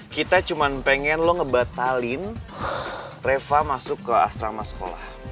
kita cuma pengen lo ngebatalin reva masuk ke asrama sekolah